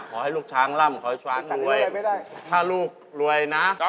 ขอให้ลูกช้างล่ำขอให้ช้างรวยถ้าลูกรวยนะ